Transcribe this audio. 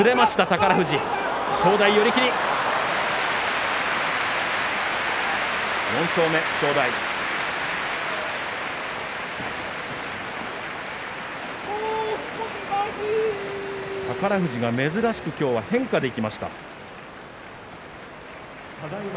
宝富士が珍しく今日は変化でいきました。